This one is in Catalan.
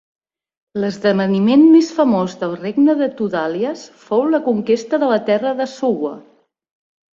L'esdeveniment més famós del regne de Tudhalias fou la conquesta de la terra d'Assuwa.